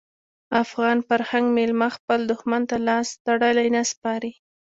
افغان فرهنګ میلمه خپل دښمن ته لاس تړلی نه سپاري.